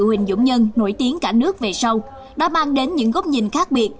huỳnh dũng nhân nổi tiếng cả nước về sau đã mang đến những góc nhìn khác biệt